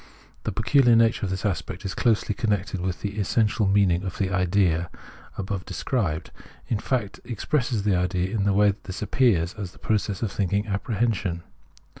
The pecuHar nature of this aspect is closely connected with the essential meaning of the idea (ISea) above described, in fact, expresses the idea in the way this appears as the process of thinking apprehension.